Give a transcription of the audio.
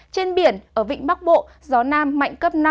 trên biển ở vịnh bắc bộ gió nam mạnh cấp năm